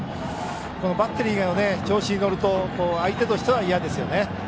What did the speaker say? このバッテリーが調子に乗ると相手としては、いやですよね。